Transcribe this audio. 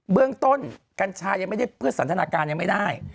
เรื่องต้นกัญชายังไม่ได้เพื่อสันทนาการยังไม่ได้